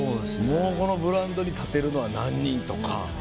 もうこのグラウンドに立てるのは何人とか。